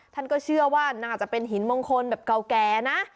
ท่านก็เชื่อว่าน่าจะเป็นหินมงคลแบบเก่าแก่นะ